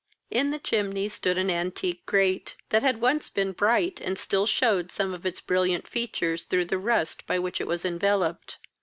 In the chimney stood an antique grate, that had once been bright, and still shewed some of its brilliant features through the rust by which it was enveloped.